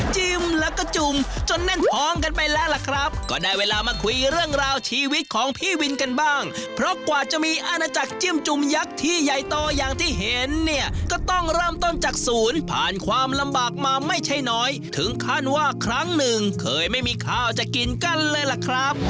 จิ้มแล้วก็จุ่มจนแน่นท้องกันไปแล้วล่ะครับก็ได้เวลามาคุยเรื่องราวชีวิตของพี่วินกันบ้างเพราะกว่าจะมีอาณาจักรจิ้มจุ่มยักษ์ที่ใหญ่โตอย่างที่เห็นเนี่ยก็ต้องเริ่มต้นจากศูนย์ผ่านความลำบากมาไม่ใช่น้อยถึงขั้นว่าครั้งหนึ่งเคยไม่มีข้าวจะกินกันเลยล่ะครับ